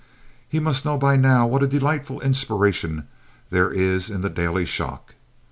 He must know by now what a delightful inspiration there is in the daily shock.